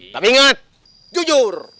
tapi inget jujur